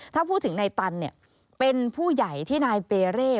ถ้าพูดถึงนายตันเป็นผู้ใหญ่ที่นายเปเร่